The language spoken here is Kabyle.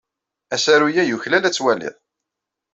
Asaru-a yuklal ad t-twaliḍ.